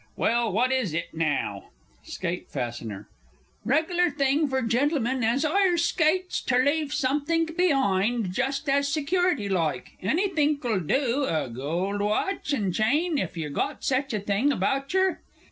Well, what is it now? SKATE FASTENER. Reg'lar thing fur Gen'lm'n as 'ires skates ter leave somethink be'ind, jest as security like anythink'll do a gold watch and chain, if yer got sech a thing about yer!